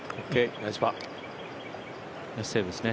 ナイスセーブですね。